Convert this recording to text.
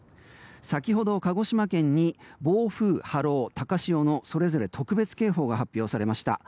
先ほど、鹿児島県に暴風、波浪、高潮のそれぞれ特別警報が発表されました。